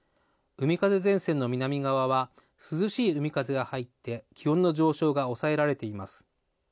海風前線の南側は涼しい海風が入って、気温の上昇が抑えられています。